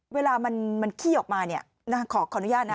เวลามันขี้ออกมาขออนุญาตนะ